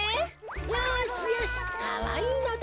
よしよしかわいいのだ。